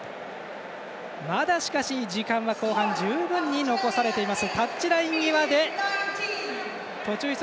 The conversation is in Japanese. まだ、しかし時間は、後半十分に残されています。